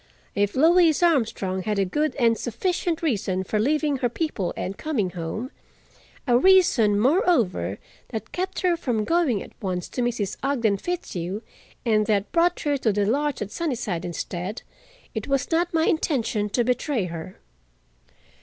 If Louise Armstrong had a good and sufficient reason for leaving her people and coming home, a reason, moreover, that kept her from going at once to Mrs. Ogden Fitzhugh, and that brought her to the lodge at Sunnyside instead, it was not my intention to betray her.